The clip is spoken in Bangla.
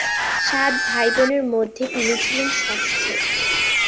সাত ভাইবোনের মধ্যে তিনি ছিলেন ষষ্ঠ।